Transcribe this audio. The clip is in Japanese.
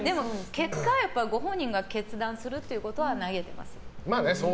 結果、ご本人が決断することは投げてます。